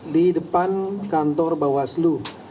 di depan kantor bawaslu